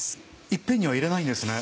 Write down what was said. いっぺんには入れないんですね。